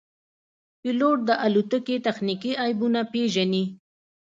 پیلوټ د الوتکې تخنیکي عیبونه پېژني.